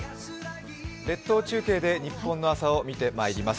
列島中継でニッポンの朝を見てまいります。